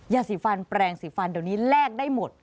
ยาสีฟันแปลงสีฟันเดี๋ยวนี้แลกได้หมด